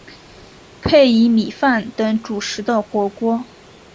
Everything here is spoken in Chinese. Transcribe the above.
配以米饭等主食的火锅。